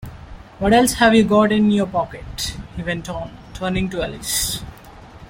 ‘What else have you got in your pocket?’ he went on, turning to Alice.